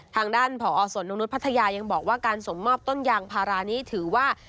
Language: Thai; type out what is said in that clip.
ทางด้านผอสวนนกนุษยพัทยายังบอกว่าการส่งมอบต้นยางพารานี้ถือว่า